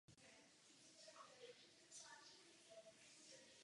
Cílem "Severního pochodu" bylo dosažení sjednocené Číny pod vládou Kuomintangu.